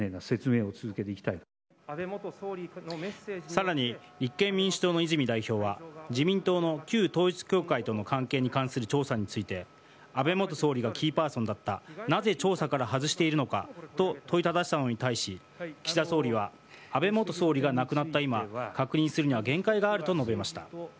更に、立憲民主党の泉代表は自民党の旧統一教会との関係に関する調査について安倍元総理がキーパーソンだったなぜ調査から外しているのかと問いただしたのに対し岸田総理は安倍元総理が亡くなった今確認するには限界があると述べました。